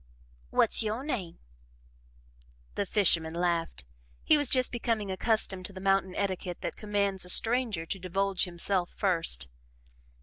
"What's YO' name?" The fisherman laughed. He was just becoming accustomed to the mountain etiquette that commands a stranger to divulge himself first.